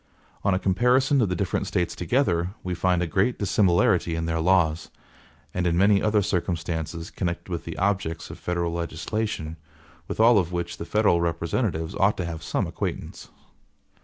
On a comparison of the different States together, we find a great dissimilarity in their laws, and in many other circumstances connected with the objects of federal legislation, with all of which the federal representatives ought to have some acquaintance.